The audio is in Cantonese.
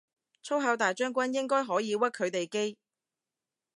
粗口大將軍應該可以屈佢哋機